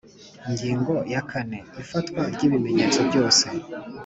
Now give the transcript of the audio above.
Ingingo ya kane Ifatwa ry ibimenyetso byose